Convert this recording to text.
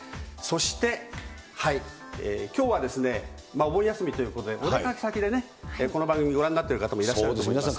そしてきょうはお盆休みということで、お出かけ先でね、この番組、ご覧になってる方もいらっしゃると思いますけれども。